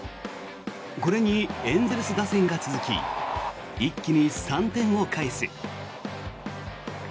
これにエンゼルス打線が続き一気に３点を返す。